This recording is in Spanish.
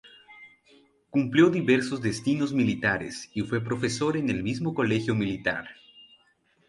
Cumplió diversos destinos militares, y fue profesor en el mismo Colegio Militar.